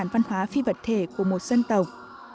với vật thể của một dân tộc